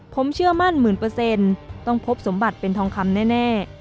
ผมเชื่อมั่นหมื่นเปอร์เซ็นต์ต้องพบสมบัติเป็นทองคำแน่